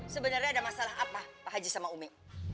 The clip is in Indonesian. sebenarnya ada masalah apa pak haji sama umi